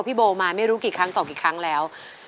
พี่โบมาไม่รู้กี่ครั้งต่อกี่ครั้งแล้ว